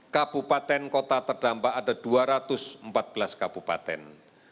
kabupaten kota terdampak ada dua ratus empat belas kabupaten